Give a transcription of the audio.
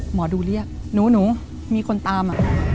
หมอดูเรียกหนูมีคนตาม